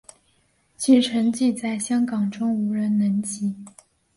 其成绩在香港中无人能及。